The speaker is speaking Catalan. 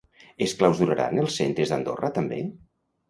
Es clausuraran els centres d'Andorra també?